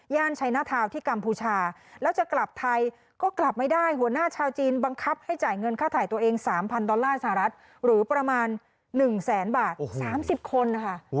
ชัยหน้าทาวน์ที่กัมพูชาแล้วจะกลับไทยก็กลับไม่ได้หัวหน้าชาวจีนบังคับให้จ่ายเงินค่าถ่ายตัวเอง๓๐๐ดอลลาร์สหรัฐหรือประมาณ๑แสนบาท๓๐คนนะคะ